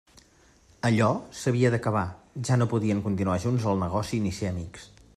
«Allò» s'havia d'acabar: ja no podien continuar junts el negoci ni ser amics.